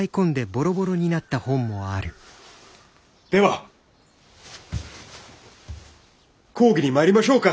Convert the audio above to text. では講義に参りましょうか。